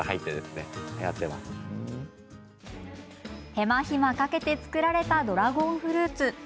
手間暇かけて作られたドラゴンフルーツ。